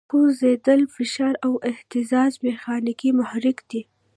خوځېدل، فشار او اهتزاز میخانیکي محرک دی.